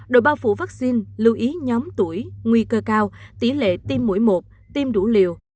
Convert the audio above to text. đội bao phủ vaccine lưu ý nhóm tuổi nguy cơ cao tỷ lệ tiêm mũi một tiêm đủ liều